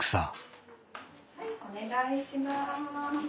はいお願いします。